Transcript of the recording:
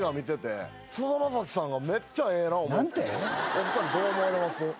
お二人どう思われます？